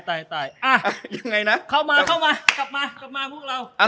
เข้ามากลับมาพวกเรา